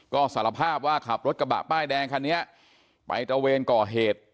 ก็สารภาพว่าขับรถกระบะป้ายแดงคันนี้ไปตระเวนก่อเหตุ